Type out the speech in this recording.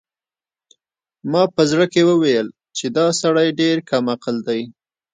ما په زړه کې وویل چې دا سړی ډېر کم عقل دی.